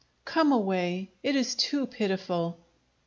"Come away. It is too pitiful!"